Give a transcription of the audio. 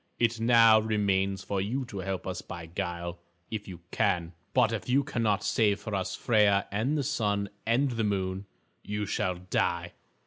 It now remains for you to help us by guile, if you can. But if you cannot save for us Freia and the Sun and Moon, you shall die.